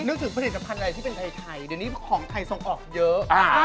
ถึงผลิตภัณฑ์อะไรที่เป็นไทยเดี๋ยวนี้ของไทยส่งออกเยอะ